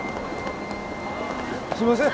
すいません。